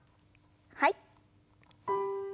はい。